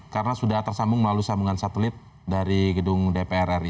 karena sudah tersambung melalui sambungan satelit dari gedung dpr ri